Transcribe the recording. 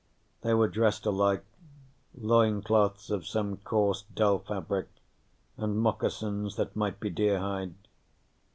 They were dressed alike: loin cloths of some coarse dull fabric and moccasins that might be deerhide.